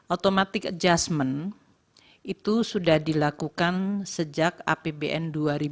automatic adjustment itu sudah dilakukan sejak apbn dua ribu dua puluh